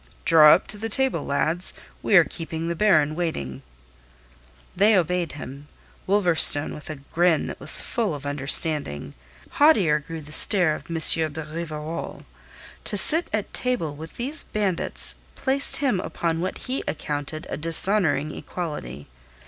"Draw up to the table, lads. We are keeping the Baron waiting." They obeyed him, Wolverstone with a grin that was full of understanding. Haughtier grew the stare of M. de Rivarol. To sit at table with these bandits placed him upon what he accounted a dishonouring equality.